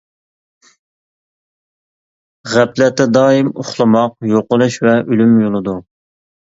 غەپلەتتە دائىم ئۇخلىماق-يوقىلىش ۋە ئۆلۈم يولىدۇر.